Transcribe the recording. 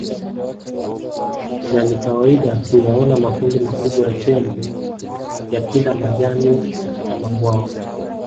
Na ni kawaida kuyaona makundi makubwa ya Tembo ya kila majani katika mabwawa